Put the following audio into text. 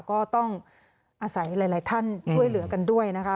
ก็ต้องอาศัยหลายท่านช่วยเหลือกันด้วยนะคะ